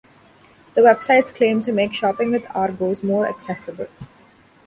The websites claim to make shopping with Argos more accessible.